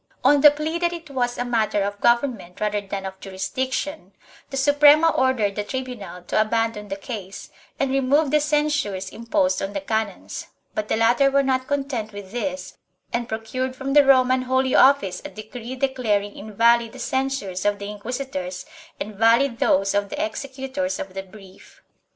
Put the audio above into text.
On the plea that it was a matter of government rather than of jurisdiction, the Suprema ordered the tribunal to abandon the case and remove the censures imposed on the canons, but the latter were not content with this and procured from the Roman Holy Office a decree declaring invalid the censures of the inquisitors and valid those of the executors of the brief.